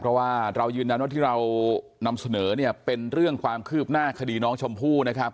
เพราะว่าเรายืนยันว่าที่เรานำเสนอเนี่ยเป็นเรื่องความคืบหน้าคดีน้องชมพู่นะครับ